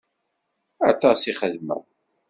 Aṭas i xedmeɣ.